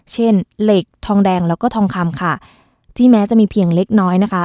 เช่นเหล็กทองแดงแล้วก็ทองคำค่ะที่แม้จะมีเพียงเล็กน้อยนะคะ